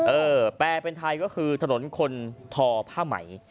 แปลเป็นไทยก็คือถนนคนทอผ้าไหม